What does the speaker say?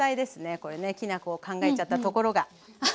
これねきな粉を考えちゃったところが。